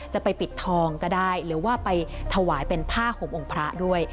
จะไปปิดทองก็ได้หรือว่าไปถวายเป็นผ้าห่มองค์พระด้วย